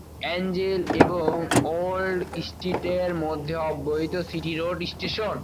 Angel এবং old স্ট্রীটের মধ্যে অব্যবহৃত সিটি রোড স্টেশন।